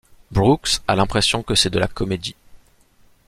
Brooks a l'impression que c'est de la comédie.